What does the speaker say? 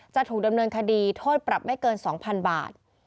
จะถูกดำเนินคดีโทษปรับไม่เกิน๒๐๐๐บาท